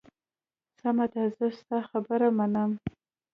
سمه ده، زه ستا خبره منم.